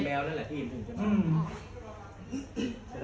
ไปเถอะไปเถอะ